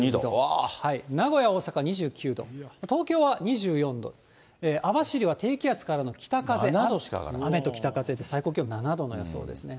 名古屋、大阪、２９度、東京は２４度、網走は低気圧からの北風、雨と北風で最高気温７度の予想ですね。